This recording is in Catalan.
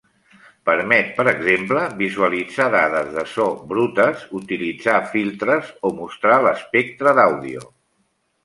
Permet, per exemple, visualitzar dades de so brutes, utilitzar filtres o mostrar l'espectre d'àudio.